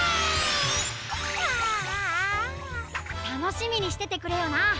たのしみにしててくれよな。